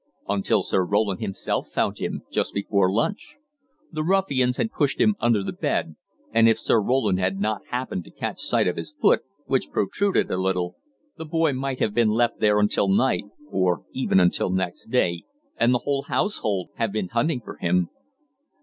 "Until Sir Roland himself found him, just before lunch. The ruffians had pushed him under the bed, and if Sir Roland had not happened to catch sight of his foot, which protruded a little, the boy might have been left there until night, or even until next day, and the whole household have been hunting for him."